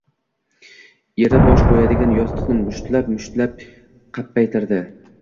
Eri bosh qo‘yadigan yostiqni mushtlab-mushtlab qappaytirdi.